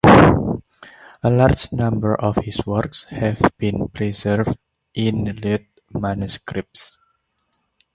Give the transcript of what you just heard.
A large number of his works have been preserved in lute manuscripts.